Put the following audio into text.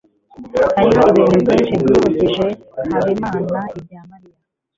hariho ibintu byinshi byibukije habimana ibya mariya